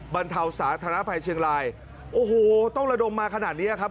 บรรเทาสาธารณภัยเชียงรายโอ้โหต้องระดมมาขนาดเนี้ยครับ